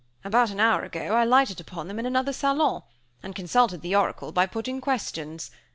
About an hour ago I lighted upon them, in another salon, and consulted the oracle by putting questions.